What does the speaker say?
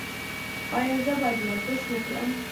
ایا زه باید ورزش وکړم؟